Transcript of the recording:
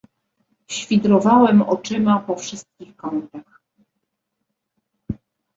"Świdrowałem oczyma po wszystkich kątach."